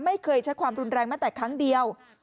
ไม่เคยใช้ความรุนแรงแม้แต่ครั้งเดียว